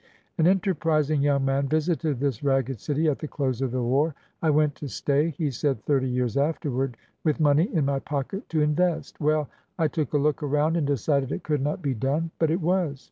An enterprising young man visited this ragged city at the close of the war. '' I went to stay," he said thirty years afterward, with money in my pocket to invest. Well! I took a look around and decided it could not be done. But it was!